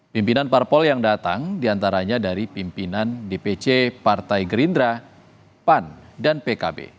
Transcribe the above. pimpinan parpol yang datang diantaranya dari pimpinan dpc partai gerindra pan dan pkb